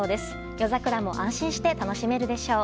夜桜も安心して楽しめるでしょう。